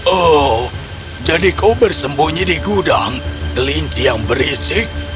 oh jadi kau bersembunyi di gudang kelinci yang berisik